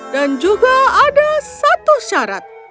dan juga ada satu syarat